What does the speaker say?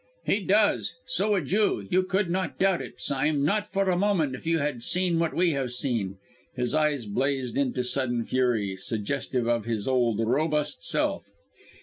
"He does. So would you you could not doubt it, Sime, not for a moment, if you had seen what we have seen!" His eyes blazed into a sudden fury, suggestive of his old, robust self.